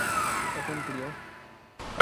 এখন, প্রিয়।